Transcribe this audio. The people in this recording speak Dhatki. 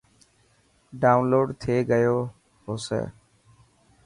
ڊائون لوڊ ٿي گئي هو سي.